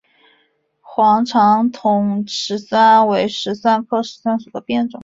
黄长筒石蒜是石蒜科石蒜属的变种。